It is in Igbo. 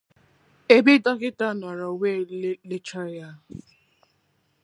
ebe dọkịta nọrọ wee lelechaa ya